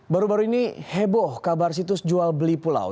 baru baru ini heboh kabar situs jual beli pulau